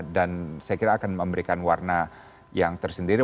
dan saya kira akan memberikan warna yang tersendiri